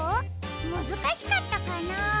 むずかしかったかな？